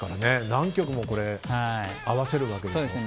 何曲も合わせるわけですもんね。